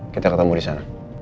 kita ketemu disana